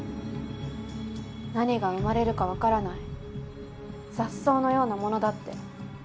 何が生まれるかわからない雑草のようなものだって。